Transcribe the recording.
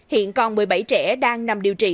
hiện còn một mươi bảy trẻ đang nằm điều trị